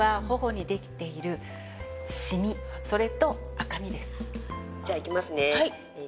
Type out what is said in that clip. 悩みはじゃあいきますね。